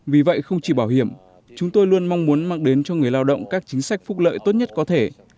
vì vậy không chỉ bảo hiểm chúng tôi luôn mong muốn mang đến cho người lao động các chính sách phúc lợi tốt nhất có thể